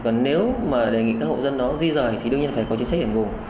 còn nếu mà đề nghị các hộ dân đó di rời thì đương nhiên phải có chính sách đền bù